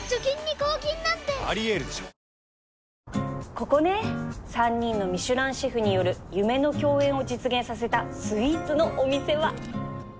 ここね３人のミシュランシェフによる夢の共演を実現させたスイーツのお店は